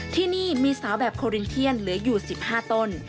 ที่นี่มีสาวแบบโครินเทียนเหลืออยู่๑๕ต้น